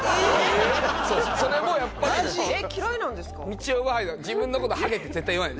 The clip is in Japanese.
みちおは自分の事「ハゲ」って絶対言わない。